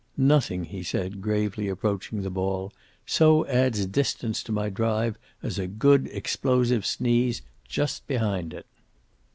"Nothing," he said, gravely approaching his ball, "so adds distance to my drive as a good explosive sneeze just behind it."